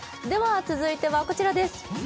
では、続いてはこちらです。